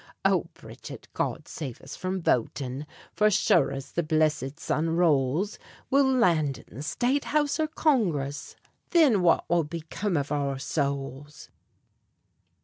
Oh, Bridget, God save us from votin'! For sure as the blissed sun rolls, We'll land in the State House or Congress, Thin what will become of our sowls?